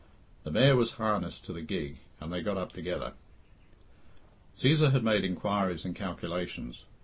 The mare was harnessed to the gig, and they got up together. Cæsar had made inquiries and calculations.